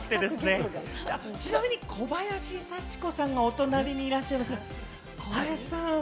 ちなみに小林幸子さんがお隣にいらっしゃいます。